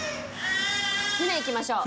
船いきましょう。